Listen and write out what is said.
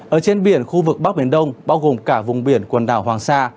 ở trên biển khu vực bắc biển đông bao gồm cả vùng biển quần đảo hoàng sa